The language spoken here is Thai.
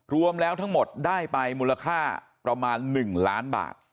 รวมแล้วทั้งหมดได้ไปมูลค่าประมาณ๑ล้านบาท